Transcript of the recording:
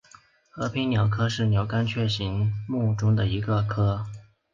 和平鸟科是鸟纲雀形目中的一个科。